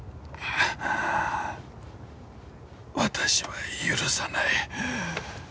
私は許さない。